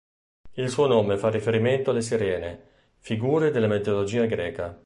Il suo nome fa riferimento alle sirene, figure della mitologia greca.